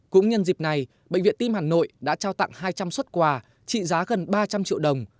cũng nhân dịp này bệnh viện tim hà nội đã trao tặng hai trăm linh xuất quà trị giá gần ba trăm linh triệu đồng